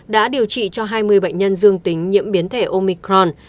đã điều trị cho hai mươi bệnh nhân dương tính nhiễm biến thể omicron